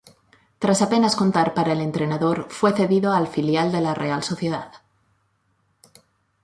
Tras apenas contar para el entrenador, fue cedido al filial de la Real Sociedad.